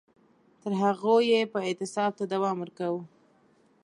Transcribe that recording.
تر هغو به یې اعتصاب ته دوام ورکاوه.